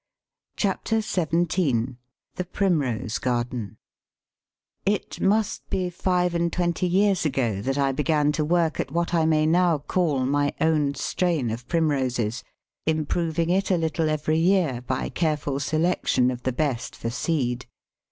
CHAPTER XVII THE PRIMROSE GARDEN It must be some five and twenty years ago that I began to work at what I may now call my own strain of Primroses, improving it a little every year by careful selection of the best for seed.